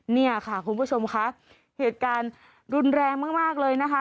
เนี่ยค่ะคุณผู้ชมค่ะเหตุการณ์รุนแรงมากเลยนะคะ